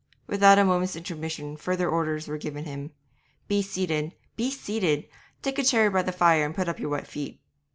Without a moment's intermission further orders were given him: 'Be seated; be seated! Take a chair by the fire and put up your wet feet.